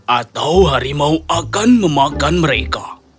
atau harimau akan memakan mereka